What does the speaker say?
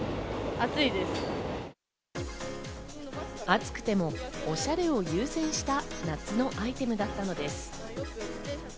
暑くてもオシャレを優先した夏のアイテムだったのです。